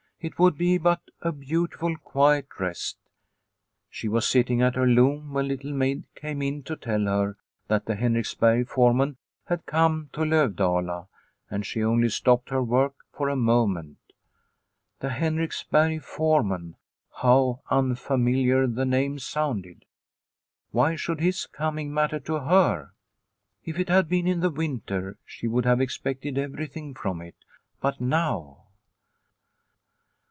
It would be but a beautiful, quiet rest. She was sitting at her loom when Little Maid came in to tell her that the Henriksberg foreman had come to Lovdala, and she only stopped her work for a moment. " The Henriksberg foreman " how unfamiliar the name sounded. Why should his coming matter to her ? If it had been in the winter she would have expected everything from it, but now